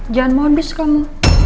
jangan modus kamu